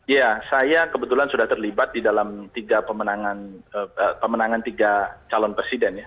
ya saya kebetulan sudah terlibat di dalam tiga pemenangan tiga calon presiden ya